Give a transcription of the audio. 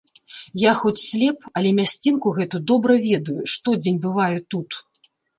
Я хоць слеп, але мясцінку гэту добра ведаю, штодзень бываю тут.